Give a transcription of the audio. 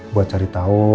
buat cari tau